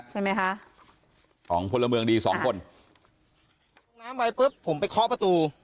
ใช่ไหมคะของพลเมืองดีสองคนลงน้ำไปปุ๊บผมไปเคาะประตู